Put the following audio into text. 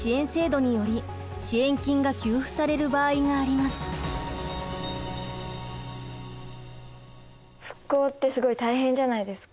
また復興ってすごい大変じゃないですか。